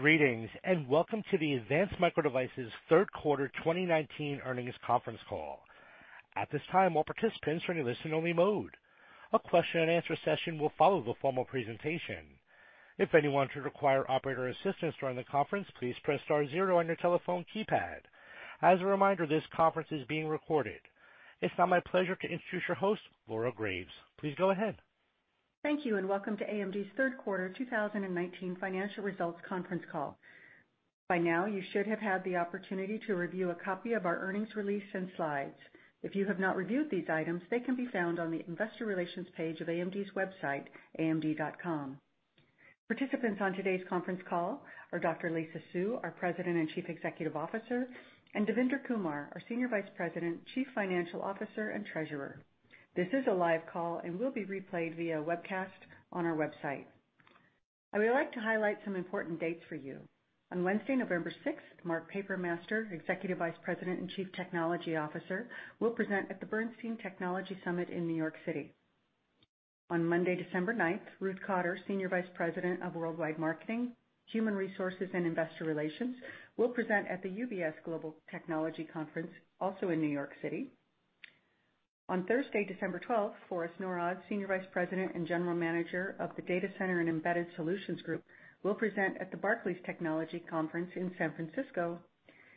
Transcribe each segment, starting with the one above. Greetings, and welcome to the Advanced Micro Devices' third quarter 2019 earnings conference call. At this time, all participants are in listen-only mode. A question-and-answer session will follow the formal presentation. If anyone should require operator assistance during the conference, please press star zero on your telephone keypad. As a reminder, this conference is being recorded. It's now my pleasure to introduce your host, Laura Graves. Please go ahead. Thank you, and welcome to AMD's third quarter 2019 financial results conference call. By now, you should have had the opportunity to review a copy of our earnings release and slides. If you have not reviewed these items, they can be found on the investor relations page of AMD's website, amd.com. Participants on today's conference call are Dr. Lisa Su, our President and Chief Executive Officer, and Devinder Kumar, our Senior Vice President, Chief Financial Officer, and Treasurer. This is a live call and will be replayed via webcast on our website. I would like to highlight some important dates for you. On Wednesday, November 6th, Mark Papermaster, Executive Vice President and Chief Technology Officer, will present at the Bernstein Technology Summit in New York City. On Monday, December 9th, Ruth Cotter, Senior Vice President of Worldwide Marketing, Human Resources, and Investor Relations, will present at the UBS Global Technology Conference, also in New York City. On Thursday, December 12th, Forrest Norrod, Senior Vice President and General Manager of the Data Center and Embedded Solutions Group, will present at the Barclays Technology Conference in San Francisco,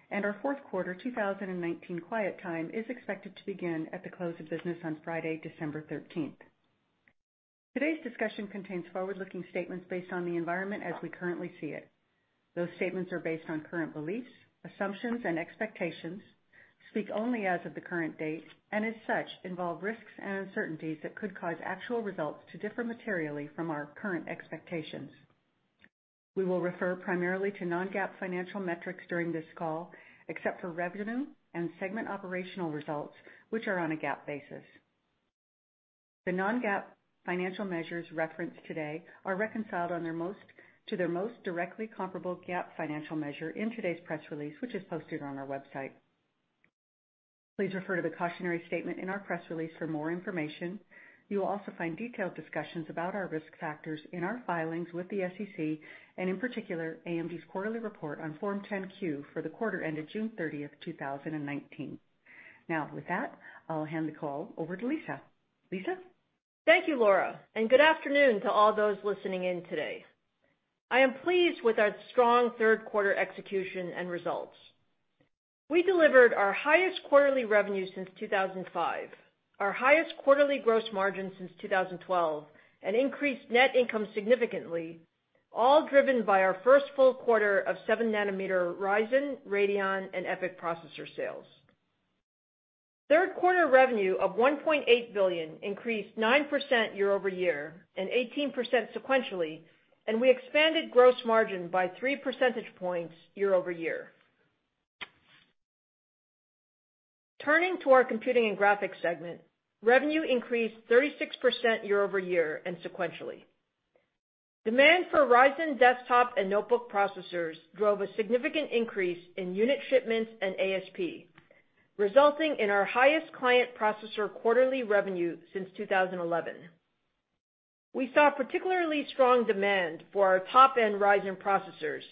and our fourth quarter 2019 quiet time is expected to begin at the close of business on Friday, December 13th. Today's discussion contains forward-looking statements based on the environment as we currently see it. Those statements are based on current beliefs, assumptions, and expectations, speak only as of the current date, and as such, involve risks and uncertainties that could cause actual results to differ materially from our current expectations. We will refer primarily to non-GAAP financial metrics during this call, except for revenue and segment operational results, which are on a GAAP basis. The non-GAAP financial measures referenced today are reconciled to their most directly comparable GAAP financial measure in today's press release, which is posted on our website. Please refer to the cautionary statement in our press release for more information. You will also find detailed discussions about our risk factors in our filings with the SEC, and in particular, AMD's quarterly report on Form 10-Q for the quarter ended June 30th, 2019. Now, with that, I'll hand the call over to Lisa. Lisa? Thank you, Laura. Good afternoon to all those listening in today. I am pleased with our strong third quarter execution and results. We delivered our highest quarterly revenue since 2005, our highest quarterly gross margin since 2012, and increased net income significantly, all driven by our first full quarter of 7 nm Ryzen, Radeon, and EPYC processor sales. Third quarter revenue of $1.8 billion increased 9% year-over-year and 18% sequentially, and we expanded gross margin by 3 percentage points year-over-year. Turning to our Computing and Graphics segment, revenue increased 36% year-over-year and sequentially. Demand for Ryzen desktop and notebook processors drove a significant increase in unit shipments and ASP, resulting in our highest client processor quarterly revenue since 2011. We saw particularly strong demand for our top-end Ryzen processors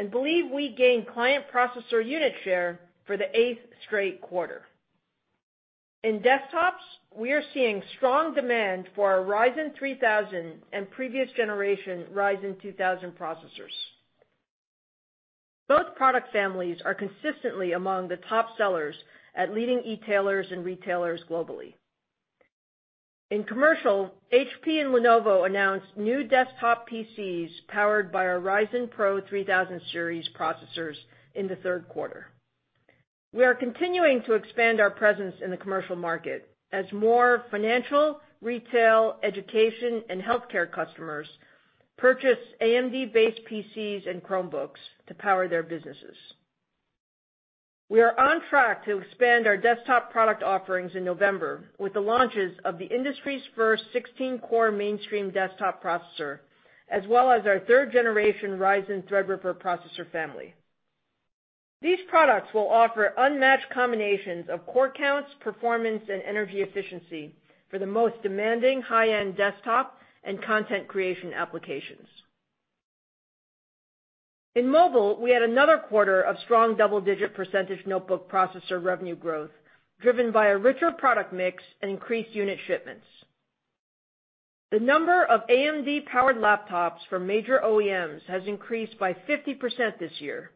and believe we gained client processor unit share for the eighth straight quarter. In desktops, we are seeing strong demand for our Ryzen 3000 and previous generation Ryzen 2000 processors. Both product families are consistently among the top sellers at leading e-tailers and retailers globally. In commercial, HP and Lenovo announced new desktop PCs powered by our Ryzen PRO 3000 series processors in the third quarter. We are continuing to expand our presence in the commercial market as more financial, retail, education, and healthcare customers purchase AMD-based PCs and Chromebooks to power their businesses. We are on track to expand our desktop product offerings in November with the launches of the industry's first 16-core mainstream desktop processor, as well as our third generation Ryzen Threadripper processor family. These products will offer unmatched combinations of core counts, performance, and energy efficiency for the most demanding high-end desktop and content creation applications. In mobile, we had another quarter of strong double-digit percentage notebook processor revenue growth, driven by a richer product mix and increased unit shipments. The number of AMD-powered laptops from major OEMs has increased by 50% this year,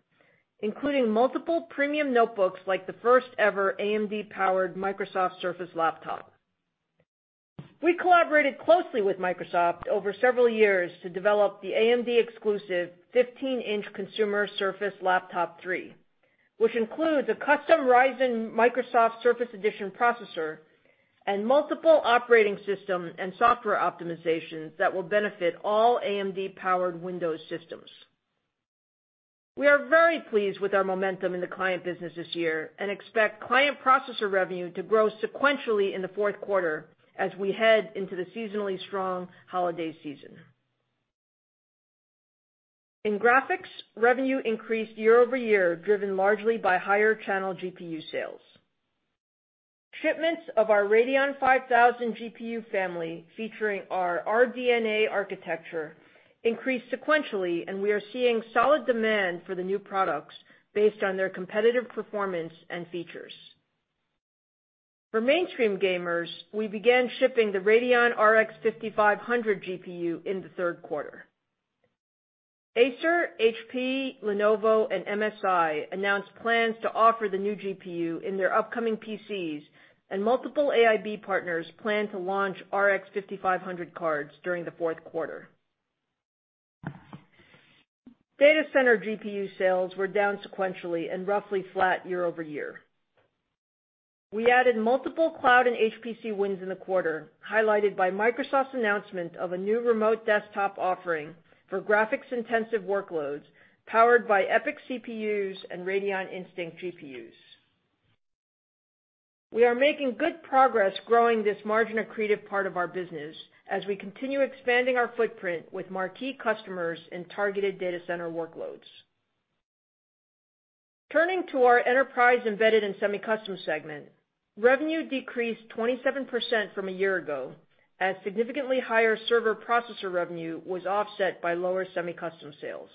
including multiple premium notebooks like the first ever AMD-powered Microsoft Surface laptop. We collaborated closely with Microsoft over several years to develop the AMD-exclusive 15-inch consumer Surface Laptop 3, which includes a custom Ryzen Microsoft Surface Edition processor and multiple operating system and software optimizations that will benefit all AMD-powered Windows systems. We are very pleased with our momentum in the client business this year and expect client processor revenue to grow sequentially in the fourth quarter as we head into the seasonally strong holiday season. In graphics, revenue increased year-over-year, driven largely by higher channel GPU sales. Shipments of our Radeon 5000 GPU family, featuring our RDNA architecture, increased sequentially, and we are seeing solid demand for the new products based on their competitive performance and features. For mainstream gamers, we began shipping the Radeon RX 5500 GPU in the third quarter. Acer, HP, Lenovo, and MSI announced plans to offer the new GPU in their upcoming PCs, and multiple AIB partners plan to launch RX 5500 cards during the fourth quarter. Data center GPU sales were down sequentially and roughly flat year-over-year. We added multiple cloud and HPC wins in the quarter, highlighted by Microsoft's announcement of a new remote desktop offering for graphics-intensive workloads powered by EPYC CPUs and Radeon Instinct GPUs. We are making good progress growing this margin-accretive part of our business as we continue expanding our footprint with marquee customers and targeted data center workloads. Turning to our enterprise-embedded and semi-custom segment, revenue decreased 27% from a year ago, as significantly higher server processor revenue was offset by lower semi-custom sales.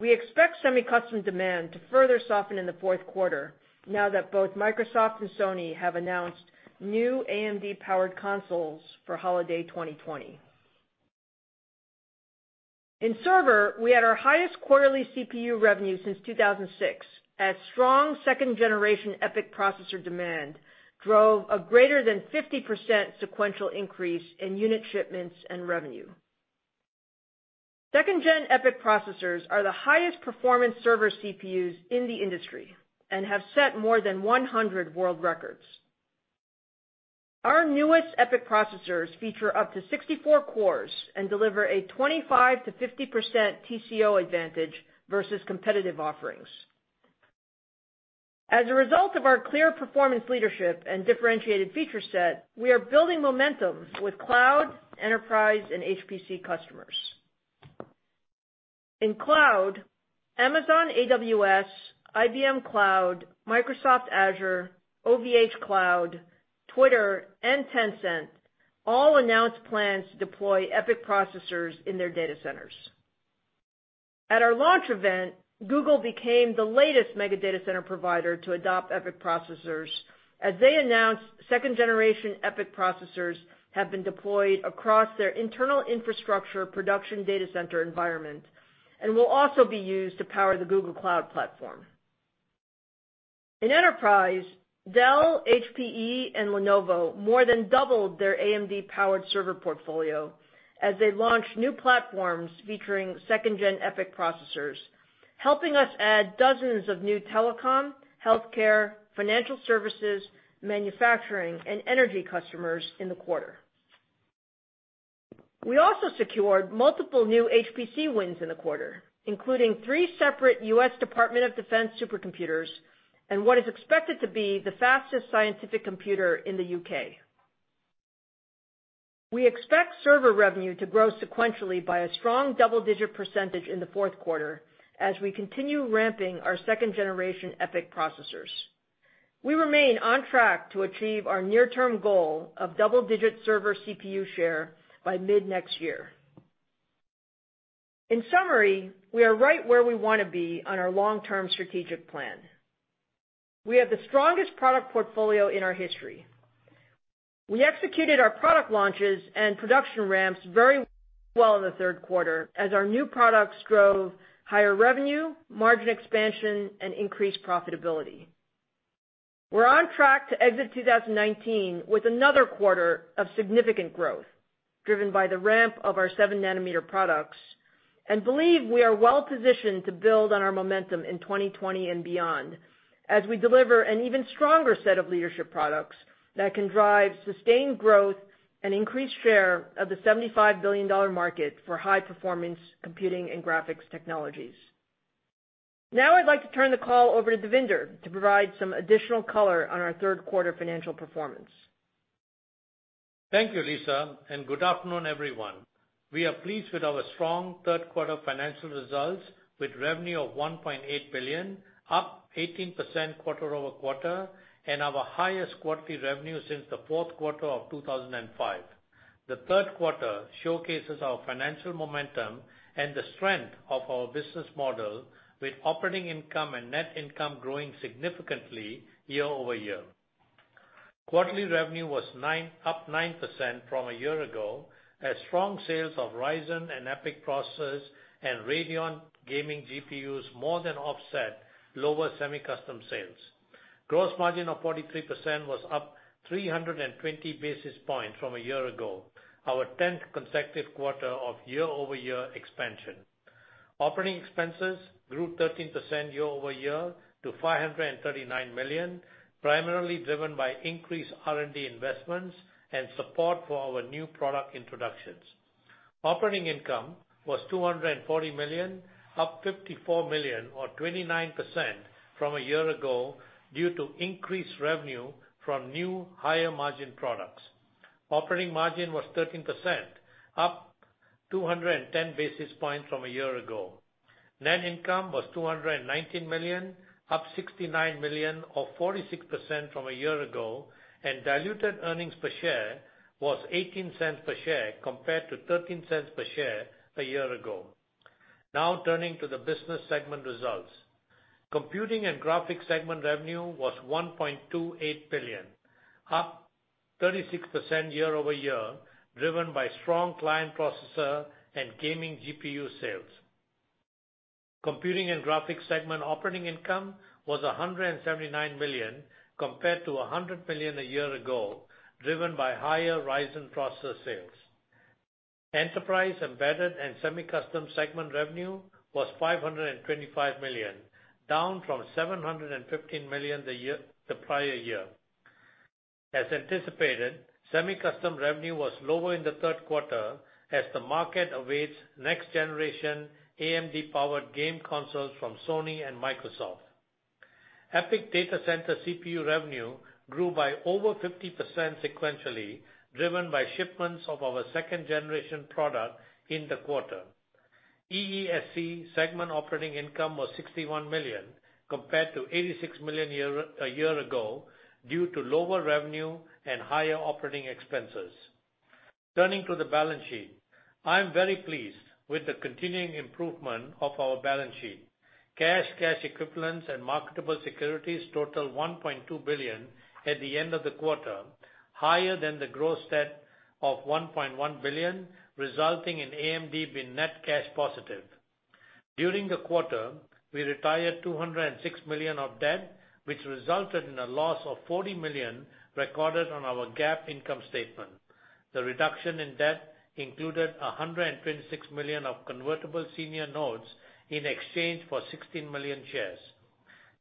We expect semi-custom demand to further soften in the fourth quarter, now that both Microsoft and Sony have announced new AMD-powered consoles for holiday 2020. In server, we had our highest quarterly CPU revenue since 2006. Strong second-generation EPYC processor demand drove a greater than 50% sequential increase in unit shipments and revenue. Second-gen EPYC processors are the highest performance server CPUs in the industry and have set more than 100 world records. Our newest EPYC processors feature up to 64 cores and deliver a 25%-50% TCO advantage versus competitive offerings. As a result of our clear performance leadership and differentiated feature set, we are building momentum with cloud, enterprise, and HPC customers. In cloud, Amazon AWS, IBM Cloud, Microsoft Azure, OVHcloud, Twitter, and Tencent all announced plans to deploy EPYC processors in their data centers. At our launch event, Google became the latest mega data center provider to adopt EPYC processors, as they announced second-generation EPYC processors have been deployed across their internal infrastructure production data center environment and will also be used to power the Google Cloud platform. In enterprise, Dell, HPE, and Lenovo more than doubled their AMD-powered server portfolio as they launched new platforms featuring second-gen EPYC processors, helping us add dozens of new telecom, healthcare, financial services, manufacturing, and energy customers in the quarter. We also secured multiple new HPC wins in the quarter, including three separate U.S. Department of Defense supercomputers and what is expected to be the fastest scientific computer in the U.K. We expect server revenue to grow sequentially by a strong double-digit percentage in the fourth quarter as we continue ramping our second-generation EPYC processors. We remain on track to achieve our near-term goal of double-digit server CPU share by mid-next year. In summary, we are right where we want to be on our long-term strategic plan. We have the strongest product portfolio in our history. We executed our product launches and production ramps very well in the third quarter as our new products drove higher revenue, margin expansion, and increased profitability. We're on track to exit 2019 with another quarter of significant growth, driven by the ramp of our 7 nm products and believe we are well-positioned to build on our momentum in 2020 and beyond as we deliver an even stronger set of leadership products that can drive sustained growth and increase share of the $75 billion market for high-performance computing and graphics technologies. Now I'd like to turn the call over to Devinder to provide some additional color on our third quarter financial performance. Thank you, Lisa. Good afternoon, everyone. We are pleased with our strong third quarter financial results, with revenue of $1.8 billion, up 18% quarter-over-quarter, and our highest quarterly revenue since the fourth quarter of 2005. The third quarter showcases our financial momentum and the strength of our business model with operating income and net income growing significantly year-over-year. Quarterly revenue was up 9% from a year ago, as strong sales of Ryzen and EPYC processors and Radeon gaming GPUs more than offset lower semi-custom sales. Gross margin of 43% was up 320 basis points from a year ago, our 10th consecutive quarter of year-over-year expansion. Operating expenses grew 13% year-over-year to $539 million, primarily driven by increased R&D investments and support for our new product introductions. Operating income was $240 million, up $54 million or 29% from a year ago due to increased revenue from new higher-margin products. Operating margin was 13%, up 210 basis points from a year ago. Net income was $219 million, up $69 million, or 46% from a year ago, and diluted earnings per share was $0.18 per share compared to $0.13 per share a year ago. Turning to the business segment results. Computing and Graphics segment revenue was $1.28 billion, up 36% year-over-year, driven by strong client processor and gaming GPU sales. Computing and Graphics segment operating income was $179 million, compared to $100 million a year ago, driven by higher Ryzen processor sales. Enterprise, Embedded and Semi-Custom segment revenue was $525 million, down from $715 million the prior year. As anticipated, semi-custom revenue was lower in the third quarter as the market awaits next-generation AMD-powered game consoles from Sony and Microsoft. EPYC data center CPU revenue grew by over 50% sequentially, driven by shipments of our second-generation product in the quarter. EESC segment operating income was $61 million, compared to $86 million a year ago, due to lower revenue and higher operating expenses. Turning to the balance sheet. I am very pleased with the continuing improvement of our balance sheet. Cash, cash equivalents and marketable securities total $1.2 billion at the end of the quarter, higher than the gross debt of $1.1 billion, resulting in AMD being net cash positive. During the quarter, we retired $206 million of debt, which resulted in a loss of $40 million recorded on our GAAP income statement. The reduction in debt included $126 million of convertible senior notes in exchange for 16 million shares.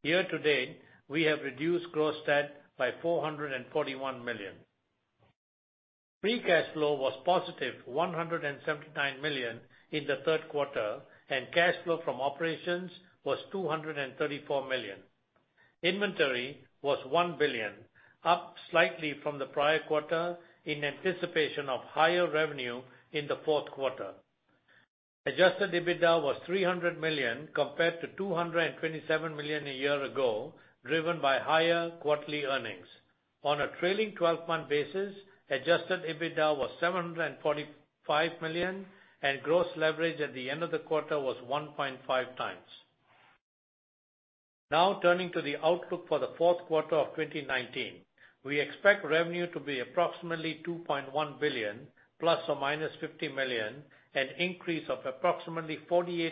Year to date, we have reduced gross debt by $441 million. Free cash flow was positive $179 million in the third quarter, and cash flow from operations was $234 million. Inventory was $1 billion, up slightly from the prior quarter in anticipation of higher revenue in the fourth quarter. Adjusted EBITDA was $300 million compared to $227 million a year ago, driven by higher quarterly earnings. On a trailing 12-month basis, adjusted EBITDA was $745 million and gross leverage at the end of the quarter was 1.5x. Turning to the outlook for the fourth quarter of 2019. We expect revenue to be approximately $2.1 billion ±$50 million, an increase of approximately 48%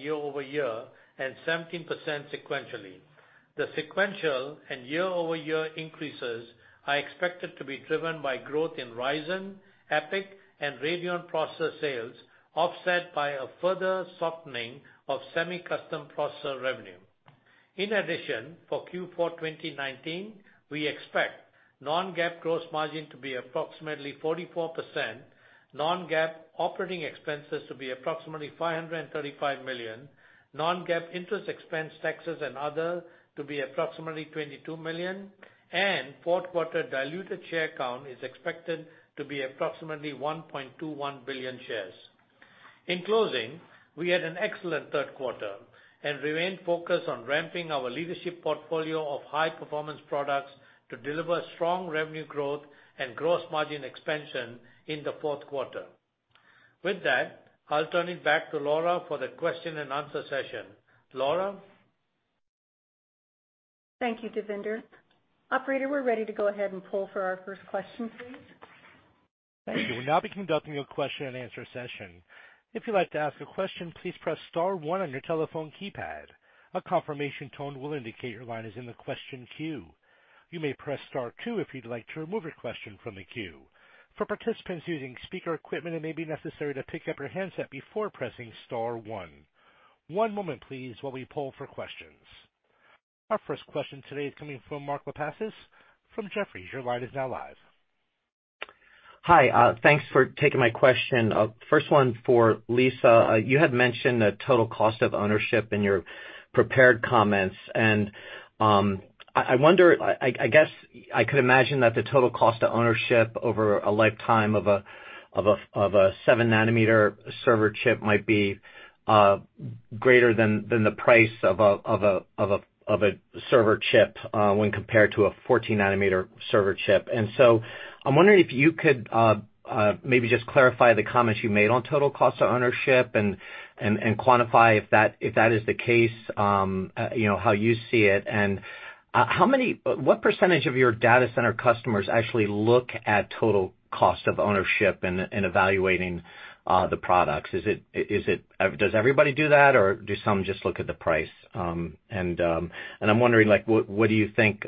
year-over-year and 17% sequentially. The sequential and year-over-year increases are expected to be driven by growth in Ryzen, EPYC and Radeon processor sales, offset by a further softening of semi-custom processor revenue. For Q4 2019, we expect non-GAAP gross margin to be approximately 44%, non-GAAP operating expenses to be approximately $535 million, non-GAAP interest expense, taxes and other to be approximately $22 million, and fourth quarter diluted share count is expected to be approximately 1.21 billion shares. We had an excellent third quarter and remain focused on ramping our leadership portfolio of high-performance products to deliver strong revenue growth and gross margin expansion in the fourth quarter. I'll turn it back to Laura for the question and answer session. Laura? Thank you, Devinder. Operator, we're ready to go ahead and poll for our first question, please. Thank you. We'll now be conducting a question-and-answer session. If you'd like to ask a question, please press star one on your telephone keypad. A confirmation tone will indicate your line is in the question queue. You may press star two if you'd like to remove your question from the queue. For participants using speaker equipment, it may be necessary to pick up your handset before pressing star one. One moment please while we poll for questions. Our first question today is coming from Mark Lipacis from Jefferies. Your line is now live. Hi. Thanks for taking my question. First one for Lisa. You had mentioned the total cost of ownership in your prepared comments, and I could imagine that the total cost of ownership over a lifetime of a 7 nm server chip might be greater than the price of a server chip when compared to a 14 nm server chip. I'm wondering if you could maybe just clarify the comments you made on total cost of ownership and quantify if that is the case, how you see it, and what percentage of your data center customers actually look at total cost of ownership in evaluating the products? Does everybody do that, or do some just look at the price? I'm wondering, what do you think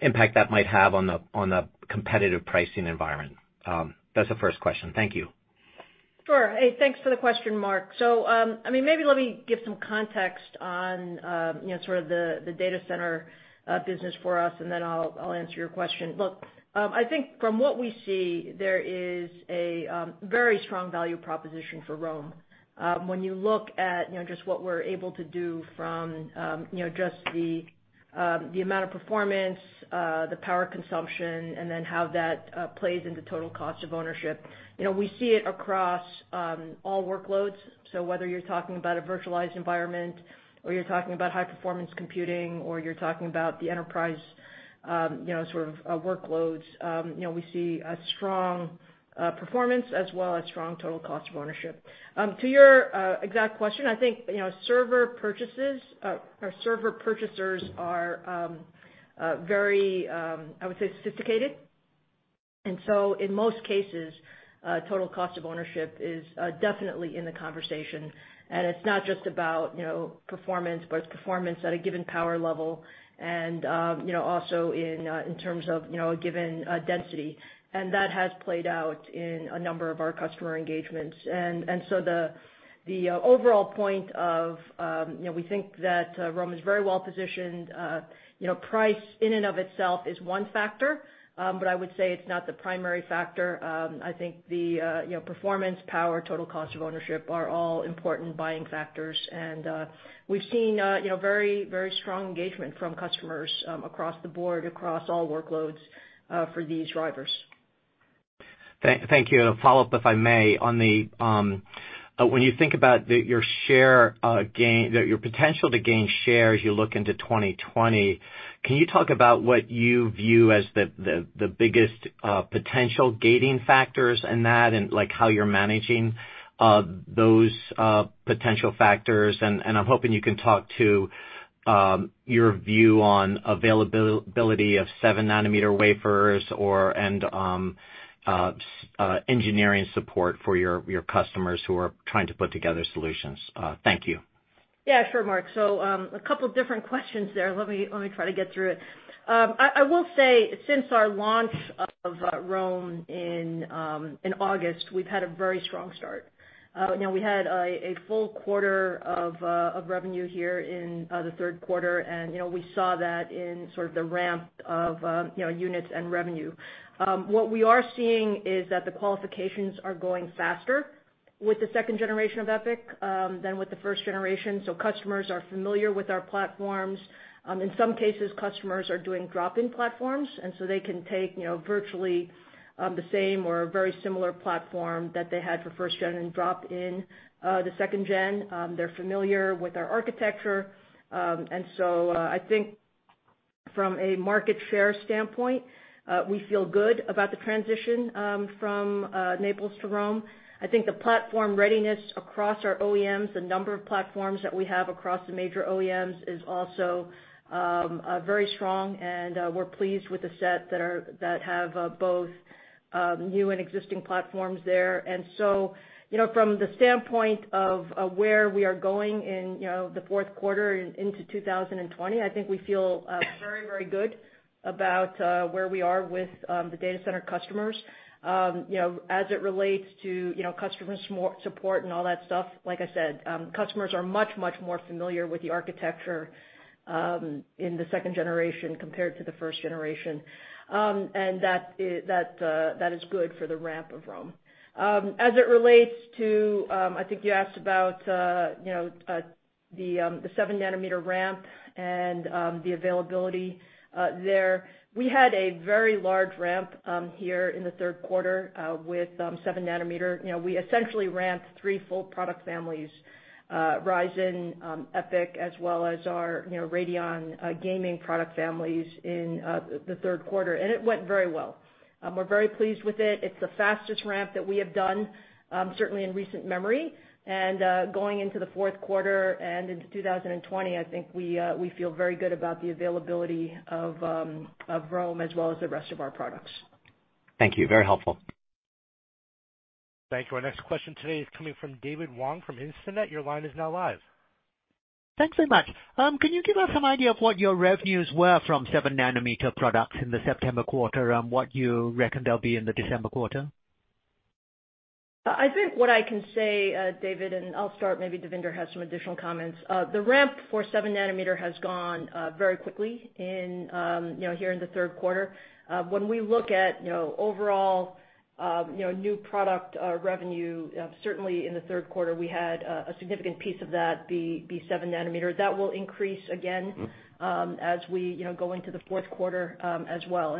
impact that might have on the competitive pricing environment? That's the first question. Thank you. Sure. Hey, thanks for the question, Mark. Maybe let me give some context on the data center business for us, and then I'll answer your question. Look, I think from what we see, there is a very strong value proposition for Rome. When you look at just what we're able to do from just the amount of performance, the power consumption, and then how that plays into total cost of ownership. We see it across all workloads. Whether you're talking about a virtualized environment or you're talking about high-performance computing or you're talking about the enterprise sort of workloads, we see a strong performance as well as strong total cost of ownership. To your exact question, I think server purchasers are very sophisticated. In most cases, total cost of ownership is definitely in the conversation, and it's not just about performance, but it's performance at a given power level and also in terms of a given density. That has played out in a number of our customer engagements. The overall point of we think that Rome is very well-positioned. Price in and of itself is one factor, but I would say it's not the primary factor. I think the performance, power, total cost of ownership are all important buying factors. We've seen very strong engagement from customers across the board, across all workloads for these drivers. Thank you. A follow-up, if I may. When you think about your potential to gain share as you look into 2020, can you talk about what you view as the biggest potential gating factors in that, and how you're managing those potential factors? I'm hoping you can talk to your view on availability ofwafers or and engineering support for your customers who are trying to put together solutions. Thank you. Yeah, sure, Mark. A couple different questions there. Let me try to get through it. I will say, since our launch of Rome in August, we've had a very strong start. We had a full quarter of revenue here in the third quarter, and we saw that in sort of the ramp of units and revenue. What we are seeing is that the qualifications are going faster with the second generation of EPYC than with the first generation. Customers are familiar with our platforms. In some cases, customers are doing drop-in platforms, and so they can take virtually the same or a very similar platform that they had for first gen and drop in the second gen. They're familiar with our architecture. I think from a market share standpoint, we feel good about the transition from Naples to Rome. I think the platform readiness across our OEMs, the number of platforms that we have across the major OEMs is also very strong, and we're pleased with the set that have both new and existing platforms there. From the standpoint of where we are going in the fourth quarter into 2020, I think we feel very good about where we are with the data center customers. As it relates to customer support and all that stuff, like I said, customers are much more familiar with the architecture in the second generation compared to the first generation, and that is good for the ramp of Rome. As it relates to, I think you asked about the 7 nm ramp and the availability there. We had a very large ramp here in the third quarter with 7 nm. We essentially ramped three full product families, Ryzen, EPYC, as well as our Radeon gaming product families in the third quarter, and it went very well. We're very pleased with it. It's the fastest ramp that we have done, certainly in recent memory. Going into the fourth quarter and into 2020, I think we feel very good about the availability of Rome as well as the rest of our products. Thank you. Very helpful. Thank you. Our next question today is coming from David Wong from Instinet. Your line is now live. Thanks very much. Can you give us some idea of what your revenues were from 7 m products in the September quarter, and what you reckon they'll be in the December quarter? I think what I can say, David, and I'll start, maybe Devinder has some additional comments. The ramp for 7 nm has gone very quickly here in the third quarter. When we look at overall new product revenue, certainly in the third quarter, we had a significant piece of that be 7 nm. That will increase again as we go into the fourth quarter as well.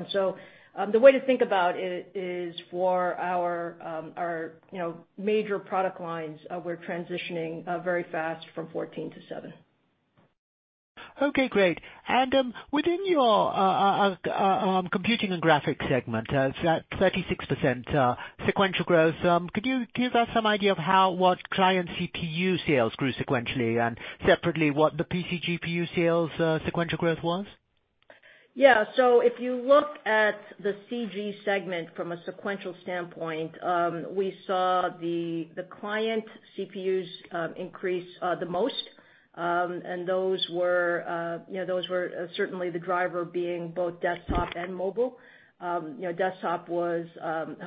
The way to think about it is for our major product lines, we're transitioning very fast from 14 to 7. Okay, great. Within your computing and graphics segment, it's at 36% sequential growth. Could you give us some idea of how what client CPU sales grew sequentially and separately what the PC GPU sales sequential growth was? If you look at the CG segment from a sequential standpoint, we saw the client CPUs increase the most. Those were certainly the driver being both desktop and mobile. Desktop was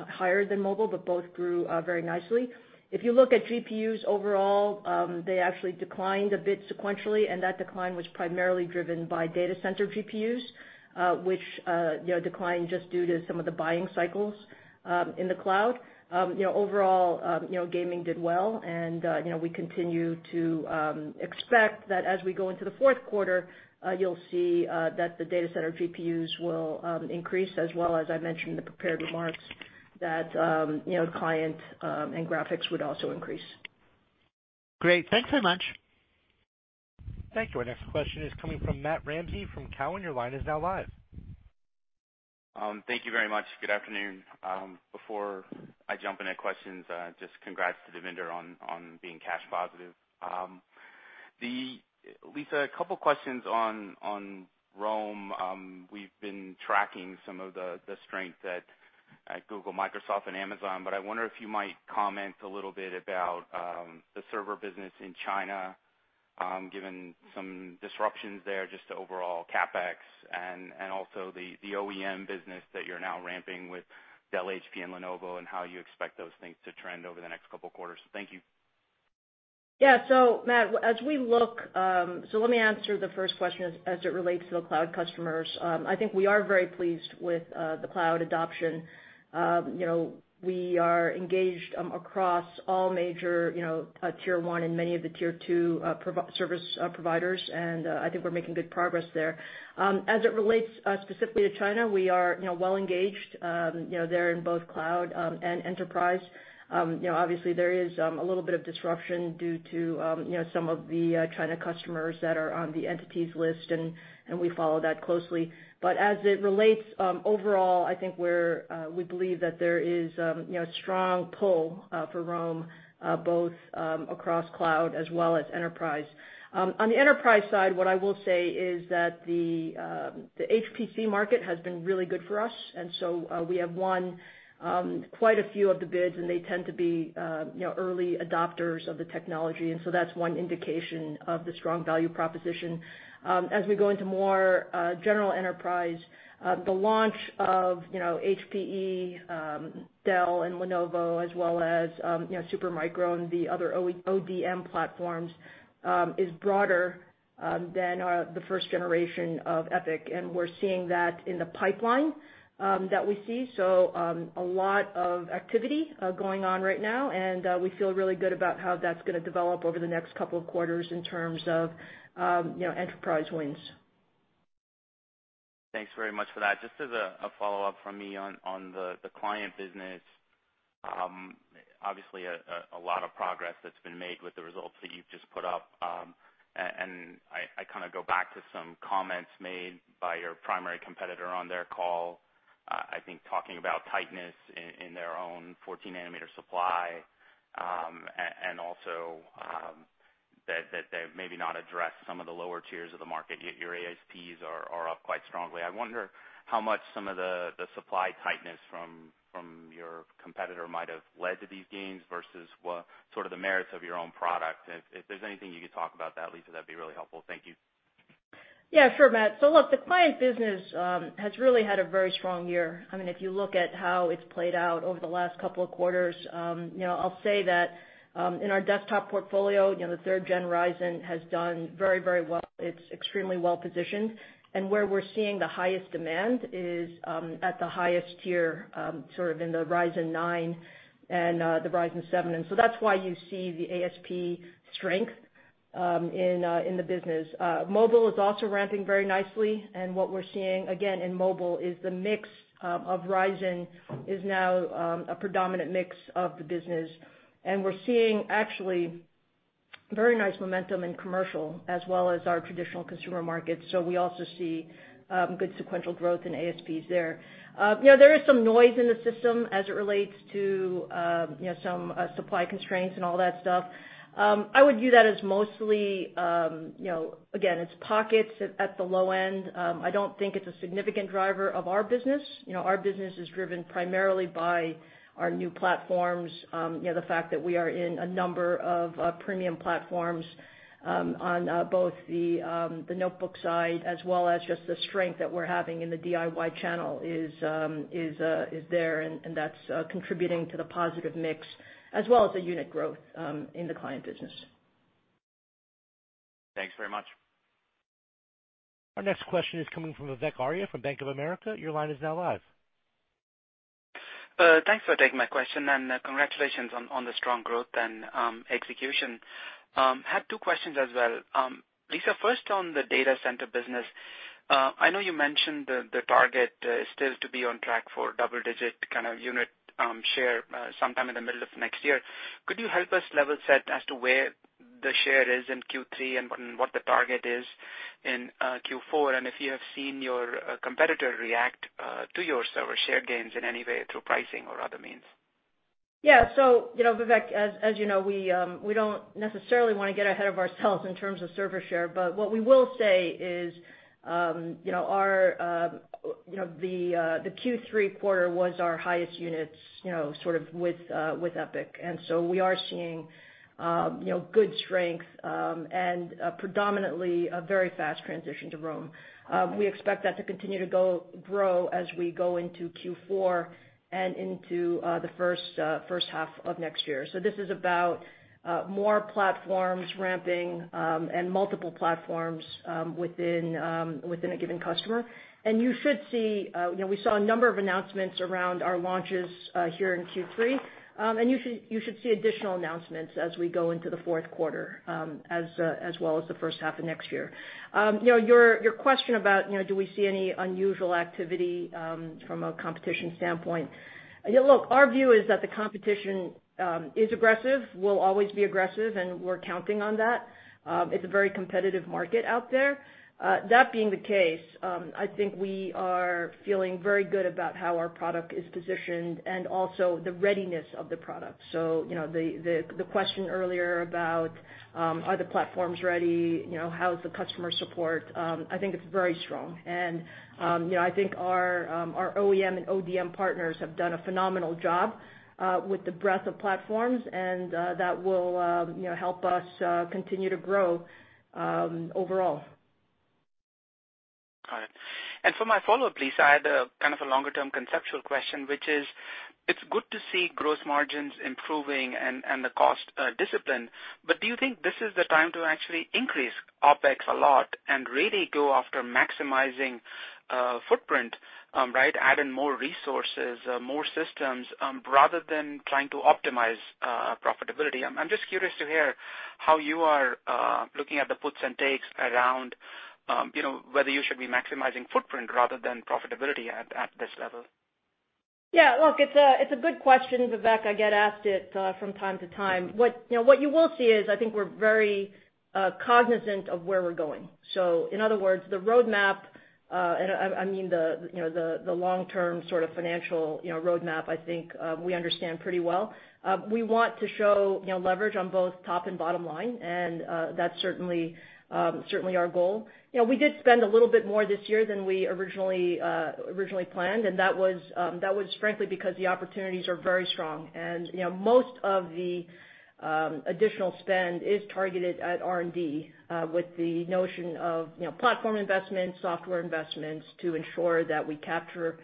higher than mobile, both grew very nicely. If you look at GPUs overall, they actually declined a bit sequentially. That decline was primarily driven by data center GPUs which declined just due to some of the buying cycles in the cloud. Overall, gaming did well. We continue to expect that as we go into the fourth quarter, you'll see that the data center GPUs will increase as well as I mentioned in the prepared remarks that client and graphics would also increase. Great. Thanks very much. Thank you. Our next question is coming from Matt Ramsay from Cowen. Your line is now live. Thank you very much. Good afternoon. Before I jump into questions, just congrats to Devinder on being cash positive. Lisa, a couple questions on Rome. I wonder if you might comment a little bit about the server business in China, given some disruptions there just to overall CapEx and also the OEM business that you're now ramping with Dell, HP, and Lenovo, and how you expect those things to trend over the next couple of quarters. Thank you. Yeah. Matt, let me answer the first question as it relates to the cloud customers. I think we are very pleased with the cloud adoption. We are engaged across all major tier 1 and many of the tier 2 service providers, and I think we're making good progress there. As it relates specifically to China, we are well-engaged there in both cloud and enterprise. Obviously, there is a little bit of disruption due to some of the China customers that are on the entities list, and we follow that closely. As it relates overall, I think we believe that there is a strong pull for Rome both across cloud as well as enterprise. On the enterprise side, what I will say is that the HPC market has been really good for us, and so we have won quite a few of the bids, and they tend to be early adopters of the technology, and so that's one indication of the strong value proposition. As we go into more general enterprise, the launch of HPE, Dell, and Lenovo, as well as Supermicro and the other ODM platforms, is broader than the first generation of EPYC, and we're seeing that in the pipeline that we see. A lot of activity going on right now, and we feel really good about how that's going to develop over the next couple of quarters in terms of enterprise wins. Thanks very much for that. Just as a follow-up from me on the client business. Obviously, a lot of progress that's been made with the results that you've just put up. I go back to some comments made by your primary competitor on their call, I think talking about tightness in their own 14 nm supply, and also that they've maybe not addressed some of the lower tiers of the market, yet your ASPs are up quite strongly. I wonder how much some of the supply tightness from your competitor might have led to these gains versus what sort of the merits of your own product. If there's anything you could talk about that, Lisa, that'd be really helpful. Thank you. Yeah, sure, Matt. Look, the client business has really had a very strong year. If you look at how it's played out over the last couple of quarters, I'll say that in our desktop portfolio, the 3rd gen Ryzen has done very well. It's extremely well-positioned. Where we're seeing the highest demand is at the highest tier, sort of in the Ryzen 9 and the Ryzen 7. That's why you see the ASP strength in the business. Mobile is also ramping very nicely, and what we're seeing, again, in mobile is the mix of Ryzen is now a predominant mix of the business. We're seeing actually very nice momentum in commercial as well as our traditional consumer markets. We also see good sequential growth in ASPs there. There is some noise in the system as it relates to some supply constraints and all that stuff. I would view that as mostly, again, it's pockets at the low end. I don't think it's a significant driver of our business. Our business is driven primarily by our new platforms. The fact that we are in a number of premium platforms on both the notebook side as well as just the strength that we're having in the DIY channel is there, and that's contributing to the positive mix as well as the unit growth in the client business. Thanks very much. Our next question is coming from Vivek Arya from Bank of America. Your line is now live. Thanks for taking my question, and congratulations on the strong growth and execution. Had two questions as well. Lisa, first on the data center business. I know you mentioned the target still to be on track for double-digit unit share sometime in the middle of next year. Could you help us level set as to where the share is in Q3 and what the target is in Q4, and if you have seen your competitor react to your server share gains in any way through pricing or other means? Yeah. Vivek, as you know, we don't necessarily want to get ahead of ourselves in terms of server share, but what we will say is the Q3 quarter was our highest units with EPYC. We are seeing good strength and predominantly a very fast transition to Rome. We expect that to continue to grow as we go into Q4 and into the first half of next year. This is about more platforms ramping and multiple platforms within a given customer. We saw a number of announcements around our launches here in Q3, and you should see additional announcements as we go into the fourth quarter, as well as the first half of next year. Your question about do we see any unusual activity from a competition standpoint? Look, our view is that the competition is aggressive, will always be aggressive, and we're counting on that. It's a very competitive market out there. That being the case, I think we are feeling very good about how our product is positioned and also the readiness of the product. The question earlier about are the platforms ready, how is the customer support? I think it's very strong, and I think our OEM and ODM partners have done a phenomenal job with the breadth of platforms, and that will help us continue to grow overall. Got it. For my follow-up, Lisa, I had a longer-term conceptual question, which is, it's good to see gross margins improving and the cost discipline, but do you think this is the time to actually increase OpEx a lot and really go after maximizing footprint, add in more resources, more systems, rather than trying to optimize profitability? I'm just curious to hear how you are looking at the puts and takes around whether you should be maximizing footprint rather than profitability at this level. Yeah, look, it's a good question, Vivek. I get asked it from time to time. What you will see is I think we're very cognizant of where we're going. In other words, the roadmap, the long-term sort of financial roadmap, I think we understand pretty well. We want to show leverage on both top and bottom line, and that's certainly our goal. We did spend a little bit more this year than we originally planned, and that was frankly because the opportunities are very strong. Most of the additional spend is targeted at R&D with the notion of platform investments, software investments to ensure that we capture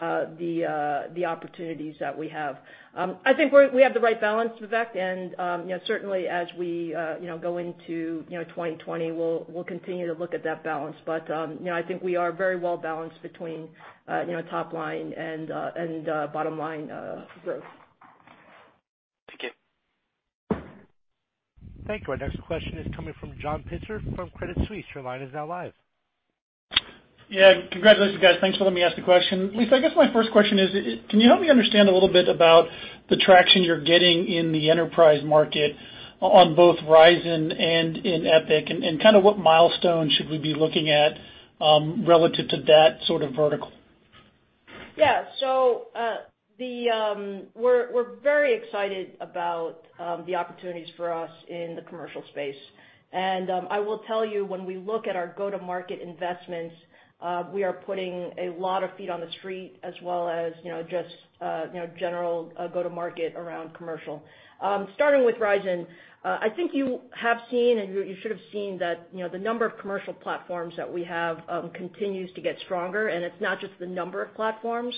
the opportunities that we have. I think we have the right balance, Vivek, and certainly as we go into 2020, we'll continue to look at that balance. I think we are very well-balanced between top line and bottom line growth. Thank you. Thank you. Our next question is coming from John Pitzer from Credit Suisse. Your line is now live. Congratulations, guys. Thanks for letting me ask the question. Lisa, I guess my first question is, can you help me understand a little bit about the traction you're getting in the enterprise market on both Ryzen and in EPYC, and what milestones should we be looking at relative to that sort of vertical? We're very excited about the opportunities for us in the commercial space. I will tell you, when we look at our go-to-market investments, we are putting a lot of feet on the street as well as just general go-to-market around commercial. Starting with Ryzen, I think you have seen, and you should have seen that the number of commercial platforms that we have continues to get stronger, and it's not just the number of platforms,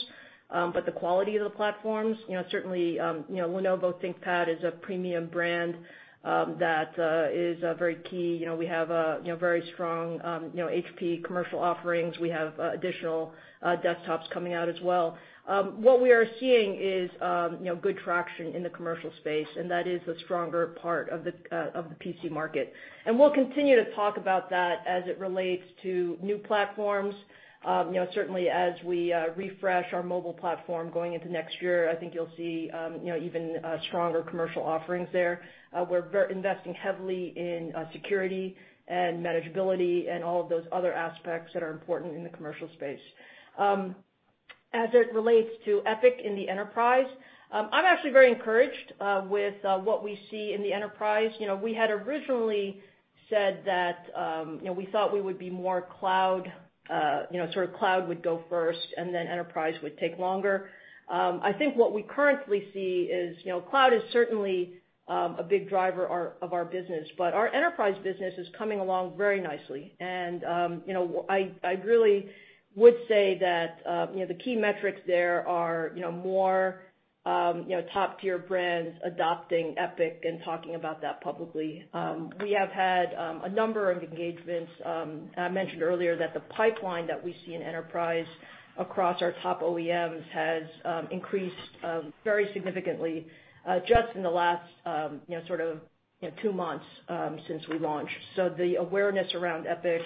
but the quality of the platforms. Certainly, Lenovo ThinkPad is a premium brand that is very key. We have very strong HP commercial offerings. We have additional desktops coming out as well. What we are seeing is good traction in the commercial space, and that is the stronger part of the PC market. We'll continue to talk about that as it relates to new platforms. Certainly as we refresh our mobile platform going into next year, I think you'll see even stronger commercial offerings there. We're investing heavily in security and manageability and all of those other aspects that are important in the commercial space. As it relates to EPYC in the enterprise, I'm actually very encouraged with what we see in the enterprise. We had originally said that we thought we would be more cloud, sort of cloud would go first, and then enterprise would take longer. I think what we currently see is cloud is certainly a big driver of our business, but our enterprise business is coming along very nicely. I really would say that the key metrics there are more top-tier brands adopting EPYC and talking about that publicly. We have had a number of engagements. I mentioned earlier that the pipeline that we see in enterprise across our top OEMs has increased very significantly just in the last sort of two months since we launched. The awareness around EPYC,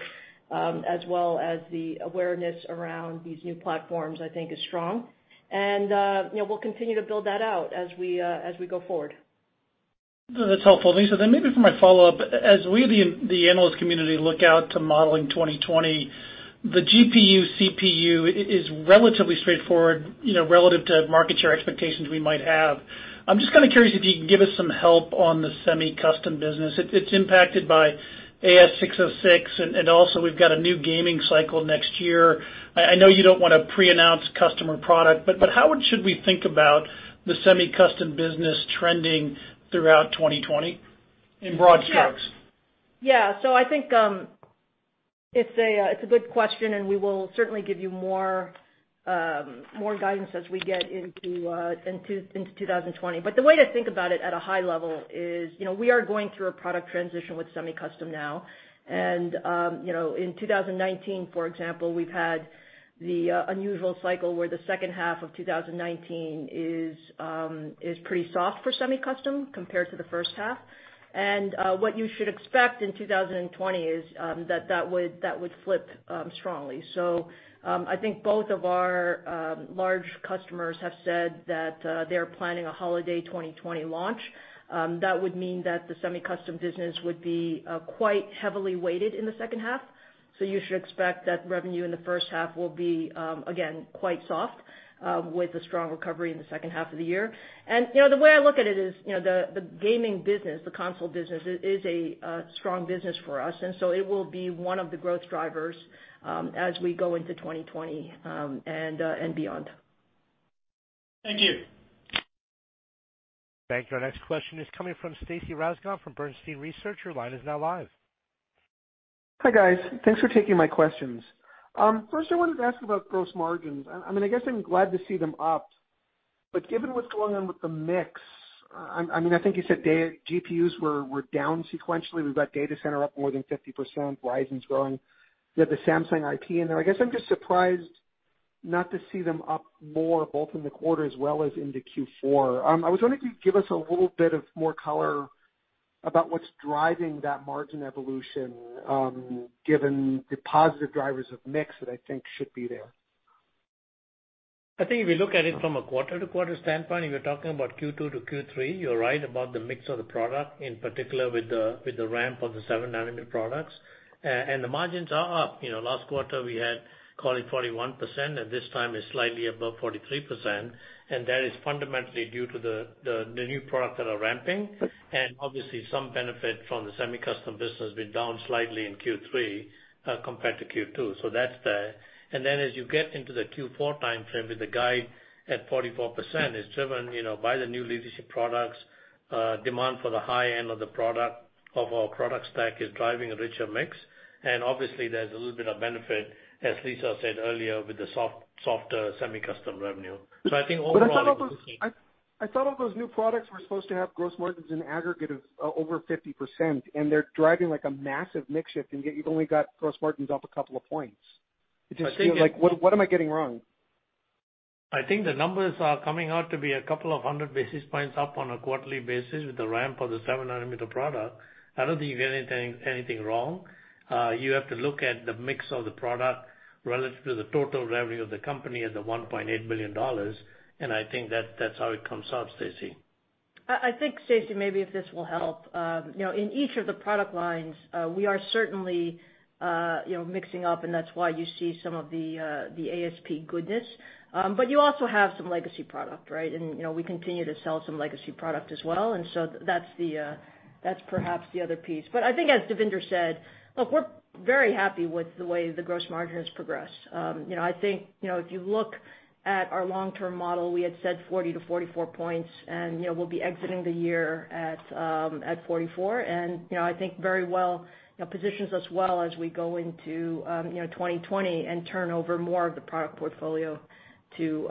as well as the awareness around these new platforms, I think, is strong. We'll continue to build that out as we go forward. That's helpful. Lisa, maybe for my follow-up, as we, the analyst community, look out to modeling 2020, the GPU, CPU is relatively straightforward, relative to market share expectations we might have. I'm just curious if you can give us some help on the semi-custom business. It's impacted by ASC 606, also we've got a new gaming cycle next year. I know you don't want to pre-announce customer product, how should we think about the semi-custom business trending throughout 2020, in broad strokes? I think it's a good question, and we will certainly give you more guidance as we get into 2020. The way to think about it at a high level is, we are going through a product transition with semi-custom now. In 2019, for example, we've had the unusual cycle where the second half of 2019 is pretty soft for semi-custom compared to the first half. What you should expect in 2020 is that that would flip strongly. I think both of our large customers have said that they're planning a holiday 2020 launch. That would mean that the semi-custom business would be quite heavily weighted in the second half. You should expect that revenue in the first half will be, again, quite soft, with a strong recovery in the second half of the year. The way I look at it is, the gaming business, the console business, is a strong business for us, it will be one of the growth drivers as we go into 2020 and beyond. Thank you. Thank you. Our next question is coming from Stacy Rasgon from Bernstein Research. Your line is now live. Hi, guys. Thanks for taking my questions. First I wanted to ask about gross margins. I guess I'm glad to see them up, but given what's going on with the mix, I think you said GPUs were down sequentially. We've got data center up more than 50%, Ryzen's growing. You have the Samsung IP in there. I guess I'm just surprised not to see them up more, both in the quarter as well as into Q4. I was wondering if you could give us a little bit of more color about what's driving that margin evolution, given the positive drivers of mix that I think should be there. I think if you look at it from a quarter-to-quarter standpoint, if you're talking about Q2 to Q3, you're right about the mix of the product, in particular with the ramp of the 7 nm products. The margins are up. Last quarter we had call it 41%, and this time it's slightly above 43%, and that is fundamentally due to the new product that are ramping. Okay. Obviously some benefit from the semi-custom business being down slightly in Q3 compared to Q2. That's that. Then as you get into the Q4 timeframe, with the guide at 44%, it's driven by the new leadership products. Demand for the high end of our product stack is driving a richer mix. Obviously there's a little bit of benefit, as Lisa said earlier, with the softer semi-custom revenue. I think overall- I thought all those new products were supposed to have gross margins in aggregate of over 50%, and they're driving a massive mix shift, and yet you've only got gross margins up a couple of points. I think- What am I getting wrong? I think the numbers are coming out to be a couple of hundred basis points up on a quarterly basis with the ramp of the 7 nm product. I don't think you're getting anything wrong. You have to look at the mix of the product relative to the total revenue of the company as $1.8 billion, and I think that's how it comes out, Stacy. I think, Stacy, maybe if this will help. In each of the product lines, we are certainly mixing up, and that's why you see some of the ASP goodness. You also have some legacy product, right? We continue to sell some legacy product as well, so that's perhaps the other piece. I think as Devinder said, look, we're very happy with the way the gross margin has progressed. I think, if you look at our long-term model, we had said 40 to 44 points, and we'll be exiting the year at 44. I think very well positions us well as we go into 2020 and turn over more of the product portfolio to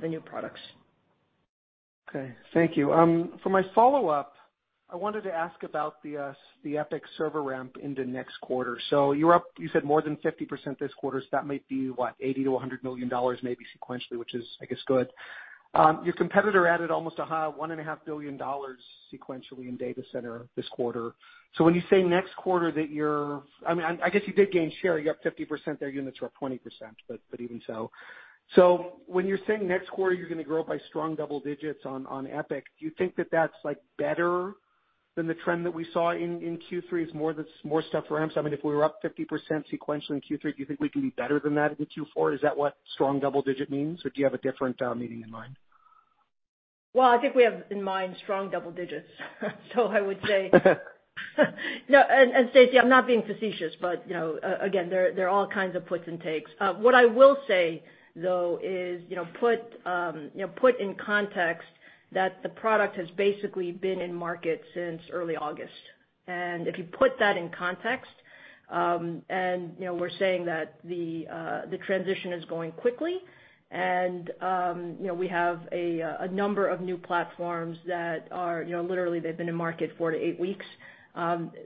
the new products. Okay. Thank you. For my follow-up, I wanted to ask about the EPYC server ramp into next quarter. You were up, you said more than 50% this quarter, that might be what, $80 million-$100 million, maybe sequentially, which is I guess good. Your competitor added almost $1.5 billion sequentially in data center this quarter. When you say next quarter, I guess you did gain share. You're up 50%, their units were up 20%, even so. When you're saying next quarter you're going to grow by strong double digits on EPYC, do you think that that's better than the trend that we saw in Q3, is more stuff ramps? If we were up 50% sequentially in Q3, do you think we can do better than that into Q4? Is that what strong double digit means, or do you have a different meaning in mind? Well, I think we have in mind strong double digits. No, Stacy, I'm not being facetious, but again, there are all kinds of puts and takes. What I will say, though, is put in context that the product has basically been in market since early August. If you put that in context, and we're saying that the transition is going quickly, and we have a number of new platforms that are literally, they've been in market four to eight weeks.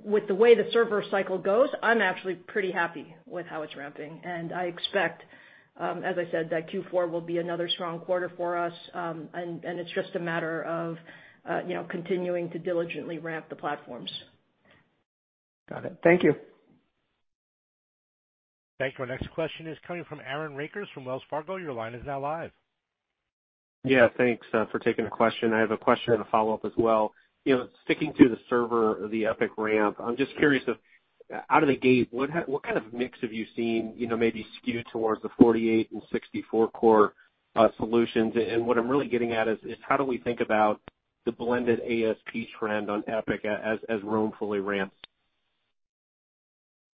With the way the server cycle goes, I'm actually pretty happy with how it's ramping. I expect, as I said, that Q4 will be another strong quarter for us, and it's just a matter of continuing to diligently ramp the platforms. Got it. Thank you. Thank you. Our next question is coming from Aaron Rakers from Wells Fargo. Your line is now live. Yeah. Thanks for taking the question. I have a question and a follow-up as well. Sticking to the server, the EPYC ramp, I'm just curious if, out of the gate, what kind of mix have you seen maybe skewed towards the 48 and 64 core solutions? What I'm really getting at is how do we think about the blended ASP trend on EPYC as Rome fully ramps?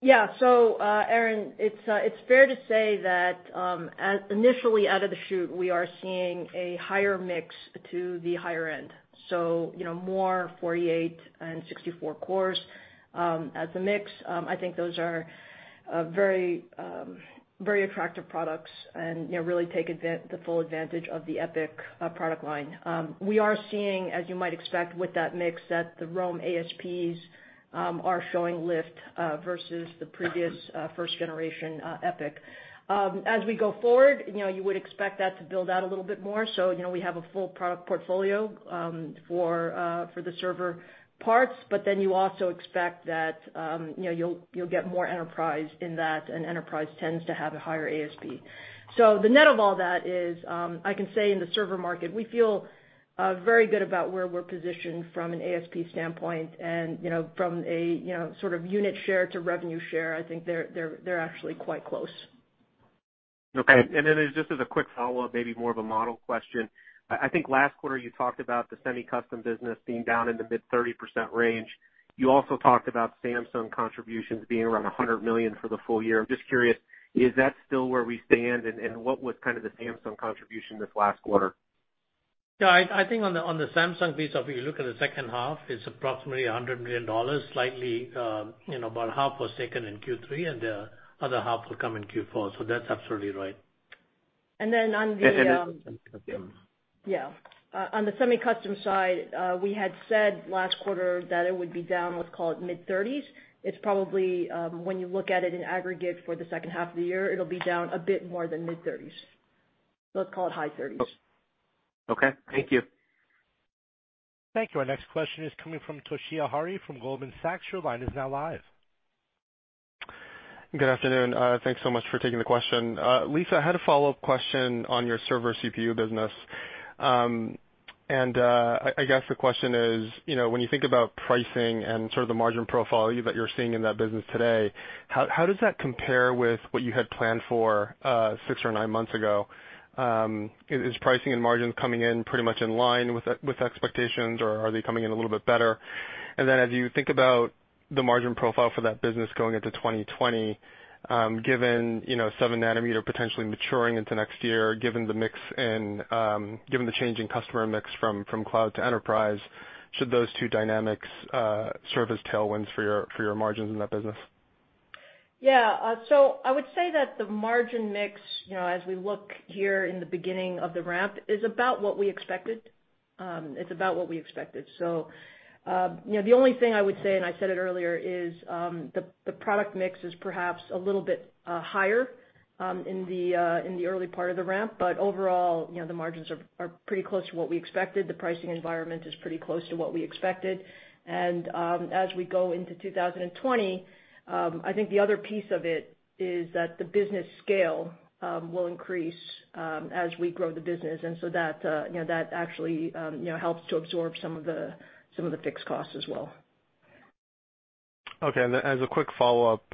Yeah. Aaron, it's fair to say that initially out of the chute, we are seeing a higher mix to the higher end. More 48 and 64 cores as the mix. I think those are very attractive products and really take the full advantage of the EPYC product line. We are seeing, as you might expect with that mix, that the Rome ASPs are showing lift versus the previous first generation EPYC. As we go forward, you would expect that to build out a little bit more. We have a full product portfolio for the server parts, you also expect that you'll get more enterprise in that, enterprise tends to have a higher ASP. The net of all that is, I can say in the server market, we feel very good about where we're positioned from an ASP standpoint and from a sort of unit share to revenue share, I think they're actually quite close. Okay. Just as a quick follow-up, maybe more of a model question. I think last quarter you talked about the semi-custom business being down in the mid 30% range. You also talked about Samsung contributions being around $100 million for the full year. I'm just curious, is that still where we stand and what was kind of the Samsung contribution this last quarter? Yeah, I think on the Samsung piece of it, you look at the second half, it's approximately $100 million. Slightly about half was taken in Q3, and the other half will come in Q4. That's absolutely right. And then on the- The semi-custom. Yeah. On the semi-custom side, we had said last quarter that it would be down, let's call it mid-30s. It is probably, when you look at it in aggregate for the second half of the year, it will be down a bit more than mid-30s. Let's call it high 30s. Okay. Thank you. Thank you. Our next question is coming from Toshiya Hari from Goldman Sachs. Your line is now live. Good afternoon. Thanks so much for taking the question. Lisa, I had a follow-up question on your server CPU business. I guess the question is, when you think about pricing and sort of the margin profile that you're seeing in that business today, how does that compare with what you had planned for six or nine months ago? Is pricing and margins coming in pretty much in line with expectations, or are they coming in a little bit better? As you think about the margin profile for that business going into 2020, given seven nanometer potentially maturing into next year, given the change in customer mix from cloud to enterprise, should those two dynamics serve as tailwinds for your margins in that business? Yeah. I would say that the margin mix, as we look here in the beginning of the ramp, is about what we expected. It's about what we expected. The only thing I would say, and I said it earlier, is the product mix is perhaps a little bit higher in the early part of the ramp, but overall, the margins are pretty close to what we expected. The pricing environment is pretty close to what we expected. As we go into 2020, I think the other piece of it is that the business scale will increase as we grow the business. That actually helps to absorb some of the fixed costs as well. Okay. As a quick follow-up,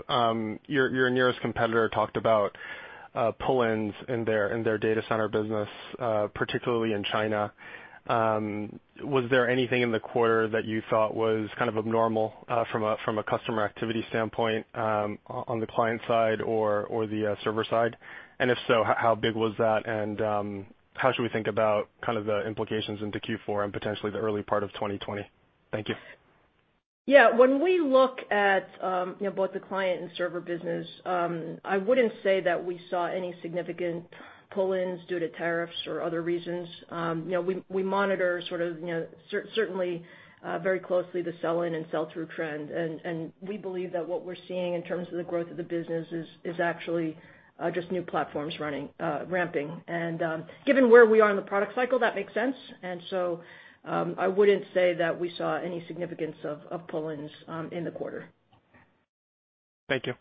your nearest competitor talked about pull-ins in their data center business, particularly in China. Was there anything in the quarter that you thought was kind of abnormal from a customer activity standpoint on the client side or the server side? If so, how big was that, and how should we think about the implications into Q4 and potentially the early part of 2020? Thank you. Yeah. When we look at both the client and server business, I wouldn't say that we saw any significant pull-ins due to tariffs or other reasons. We monitor sort of certainly very closely the sell-in and sell-through trend. We believe that what we're seeing in terms of the growth of the business is actually just new platforms ramping. Given where we are in the product cycle, that makes sense. I wouldn't say that we saw any significance of pull-ins in the quarter. Thank you.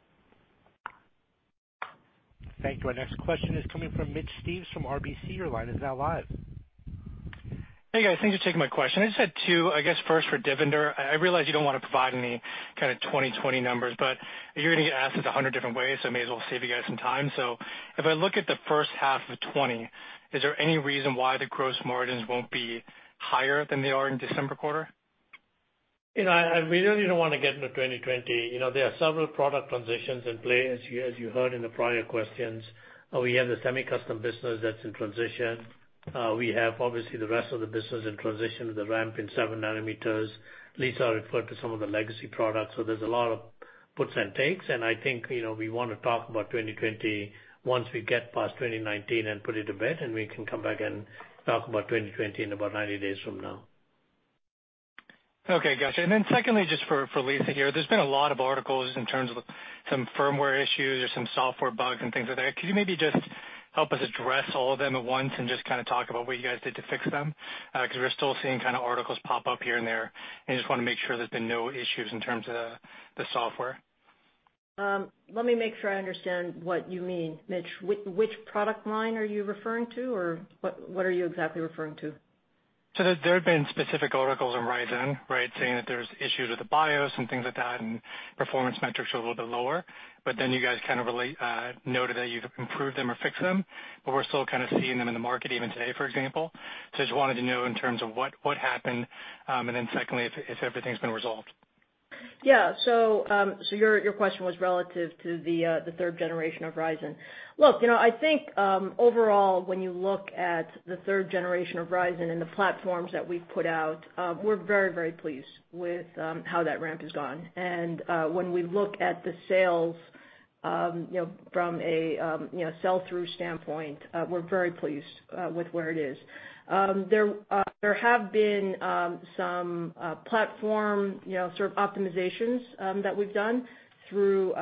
Thank you. Our next question is coming from Mitch Steves from RBC. Your line is now live. Hey, guys. Thanks for taking my question. I just had two, I guess, first for Devinder. I realize you don't want to provide any kind of 2020 numbers, but you're going to get asked this 100 different ways, so I may as well save you guys some time. If I look at the first half of 2020, is there any reason why the gross margins won't be higher than they are in December quarter? We really don't want to get into 2020. There are several product transitions in play, as you heard in the prior questions. We have the semi-custom business that's in transition. We have, obviously, the rest of the business in transition with the ramp in 7 nm. Lisa referred to some of the legacy products. There's a lot of puts and takes, and I think we want to talk about 2020 once we get past 2019 and put it to bed, and we can come back and talk about 2020 in about 90 days from now. Okay, got you. Secondly, just for Lisa here. There's been a lot of articles in terms of some firmware issues or some software bugs and things like that. Could you maybe just help us address all of them at once and just talk about what you guys did to fix them, because we're still seeing articles pop up here and there, and just want to make sure there's been no issues in terms of the software. Let me make sure I understand what you mean, Mitch. Which product line are you referring to? What are you exactly referring to? There have been specific articles on Ryzen, right? Saying that there's issues with the BIOS and things like that, and performance metrics are a little bit lower, but then you guys noted that you've improved them or fixed them, but we're still seeing them in the market even today, for example. Just wanted to know in terms of what happened, and then secondly, if everything's been resolved. Yeah. Your question was relative to the third generation of Ryzen. Look, I think, overall, when you look at the third generation of Ryzen and the platforms that we've put out, we're very pleased with how that ramp has gone. When we look at the sales from a sell-through standpoint, we're very pleased with where it is. There have been some platform sort of optimizations that we've done through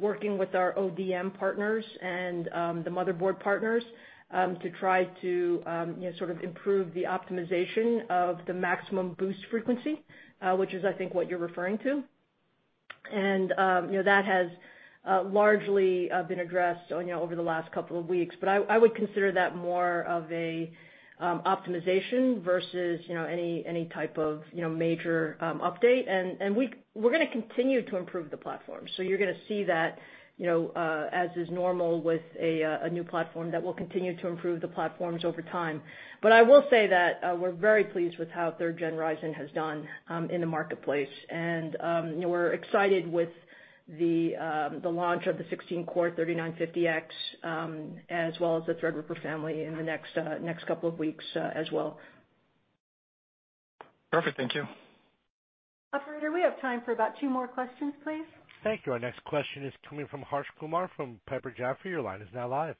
working with our ODM partners and the motherboard partners to try to improve the optimization of the maximum boost frequency, which is, I think, what you're referring to. That has largely been addressed over the last couple of weeks. I would consider that more of a optimization versus any type of major update. We're going to continue to improve the platform. You're going to see that as is normal with a new platform, that we'll continue to improve the platforms over time. I will say that we're very pleased with how third gen Ryzen has done in the marketplace, and we're excited with the launch of the 16-core 3950X, as well as the Threadripper family in the next couple of weeks as well. Perfect. Thank you. Operator, we have time for about two more questions, please. Thank you. Our next question is coming from Harsh Kumar from Piper Jaffray. Your line is now live.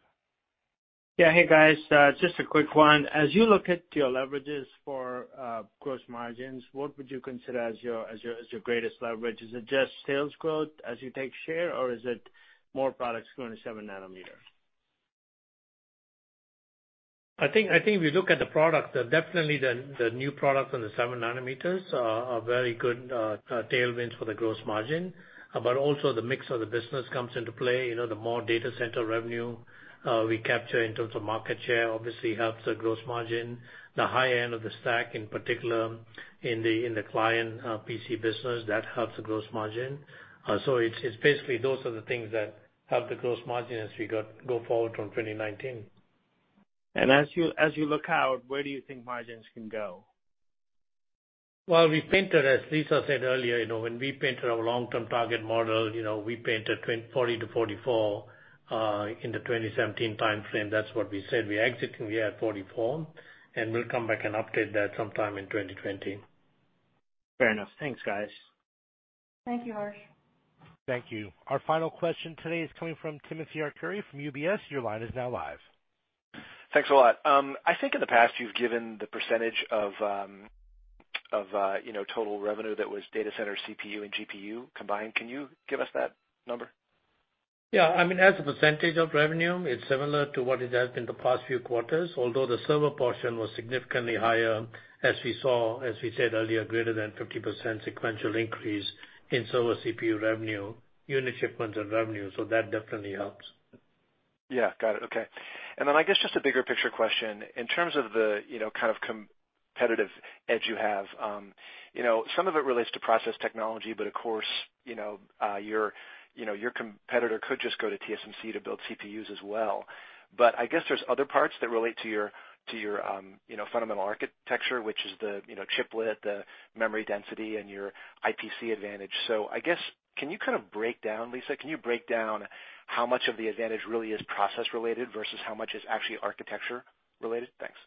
Yeah. Hey, guys, just a quick one. As you look at your leverages for gross margins, what would you consider as your greatest leverage? Is it just sales growth as you take share, or is it more products going to 7 nanometer? I think if you look at the product, definitely the new product on the seven nanometers are very good tailwinds for the gross margin. Also the mix of the business comes into play. The more data center revenue we capture in terms of market share obviously helps the gross margin. The high-end of the stack, in particular in the client PC business, that helps the gross margin. It's basically those are the things that help the gross margin as we go forward from 2019. As you look out, where do you think margins can go? Well, we painted, as Lisa said earlier, when we painted our long-term target model, we painted 40%-44%, in the 2017 timeframe. That's what we said. We had 44%, and we'll come back and update that sometime in 2020. Fair enough. Thanks, guys. Thank you, Harsh. Thank you. Our final question today is coming from Timothy Arcuri from UBS. Your line is now live. Thanks a lot. I think in the past, you've given the percentage of total revenue that was data center CPU and GPU combined. Can you give us that number? Yeah. As a percentage of revenue, it's similar to what it has been the past few quarters, although the server portion was significantly higher as we saw, as we said earlier, greater than 50% sequential increase in server CPU revenue, unit shipments and revenue, so that definitely helps. Yeah. Got it. Okay. I guess just a bigger picture question, in terms of the kind of competitive edge you have, some of it relates to process technology, of course, your competitor could just go to TSMC to build CPUs as well. I guess there's other parts that relate to your fundamental architecture, which is the chiplet, the memory density, and your IPC advantage. I guess, Lisa, can you break down how much of the advantage really is process-related versus how much is actually architecture-related? Thanks.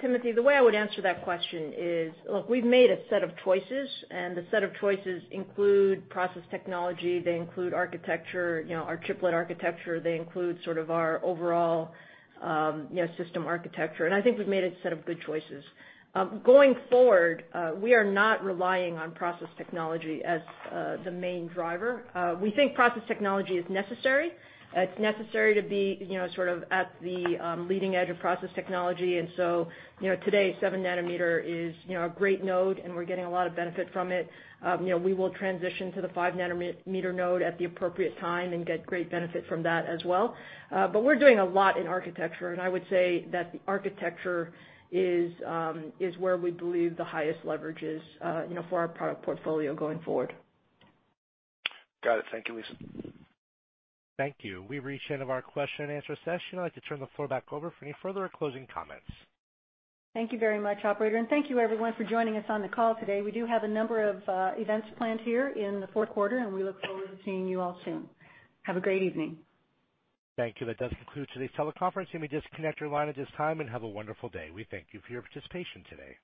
Timothy, the way I would answer that question is, look, we've made a set of choices, and the set of choices include process technology, they include architecture, our chiplet architecture, they include sort of our overall system architecture, and I think we've made a set of good choices. Going forward, we are not relying on process technology as the main driver. We think process technology is necessary. It's necessary to be sort of at the leading edge of process technology, today, seven nanometer is a great node, and we're getting a lot of benefit from it. We will transition to the 5 nm node at the appropriate time and get great benefit from that as well. We're doing a lot in architecture, and I would say that the architecture is where we believe the highest leverage is for our product portfolio going forward. Got it. Thank you, Lisa. Thank you. We've reached the end of our question-and answer session. I'd like to turn the floor back over for any further closing comments. Thank you very much, operator, and thank you everyone for joining us on the call today. We do have a number of events planned here in the fourth quarter, and we look forward to seeing you all soon. Have a great evening. Thank you. That does conclude today's teleconference. You may disconnect your line at this time, and have a wonderful day. We thank you for your participation today.